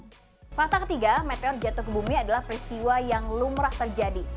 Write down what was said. fakta ketiga meteor jatuh ke bumi adalah peristiwa yang lumrah terjadi